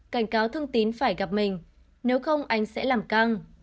cảnh cáo thương tín phải gặp mình nếu không anh sẽ làm căng